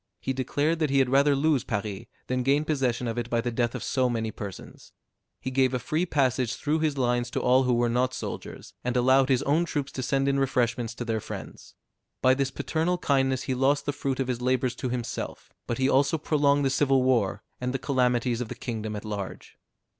He declared that he had rather lose Paris, than gain possession of it by the death of so many persons. He gave a free passage through his lines to all who were not soldiers, and allowed his own troops to send in refreshments to their friends. By this paternal kindness he lost the fruit of his labors to himself; but he also prolonged the civil war, and the calamities of the kingdom at large.